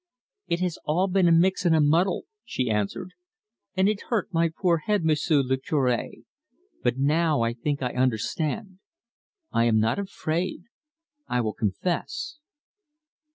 "It has all been a mix and a muddle," she answered; "and it hurt my poor head, M'sieu' le Cure, but now I think I under stand. I am not afraid; I will confess."